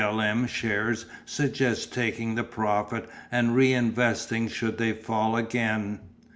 L.M. shares suggests taking the profit and re investing should they fall again.